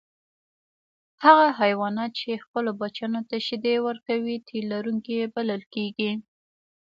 هغه حیوانات چې خپلو بچیانو ته شیدې ورکوي تی لرونکي بلل کیږي